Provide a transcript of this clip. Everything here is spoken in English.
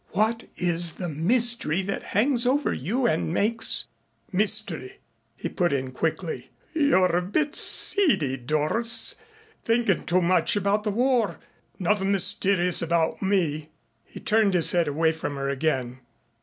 What is the mystery that hangs over you and makes " "Mystery?" he put in quickly. "You're a bit seedy, Doris. Thinkin' too much about the war. Nothin' mysterious about me." He turned his head away from her again.